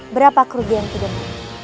berapa kerugian kidemang